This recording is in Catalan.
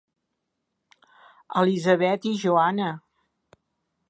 Elisabet i Joana.